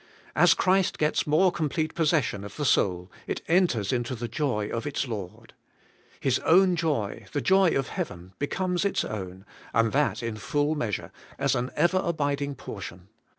As Christ gets more complete possession of the soul, it enters into the joy of its Lord. His own joy, the joy of heaven, be comes its own, and that in full measure, and as an ever abiding portion.